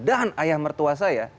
dan ayah mertua saya